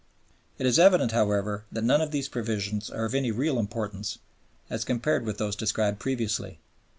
It is evident, however, that none of these provisions are of any real importance, as compared with those described previously.